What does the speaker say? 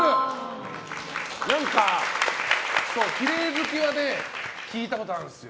きれい好きは聞いたことがあるんですよ。